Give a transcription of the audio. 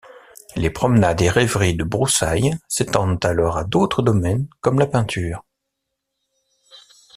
Les promenades et rêveries de Broussaille s'étendent alors à d'autres domaines comme la peinture.